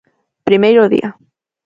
Primeiro día.